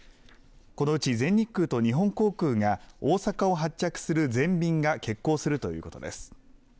このうち全日空と日本航空が大阪を発着する全便が欠航するということです。